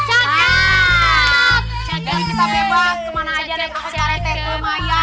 jadi kita bebas kemana aja naik angkot pak rete kemayan